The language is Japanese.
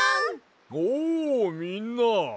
おうみんな。